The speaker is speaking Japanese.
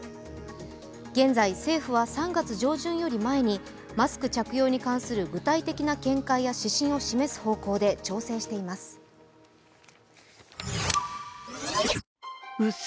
現在、政府は３月上旬より前にマスク着用に関する具体的な見解や指針を示す方向で調整しています。